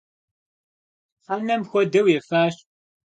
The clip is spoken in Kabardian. Хьэнэм хуэдэу ефащ.